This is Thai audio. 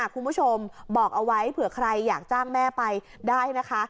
คุณผู้ชมบอกเอาไว้เผื่อใครอยากจ้างแม่ไปได้นะคะ